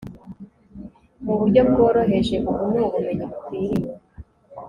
mu buryo bworoheje Ubu ni ubumenyi bukwiriye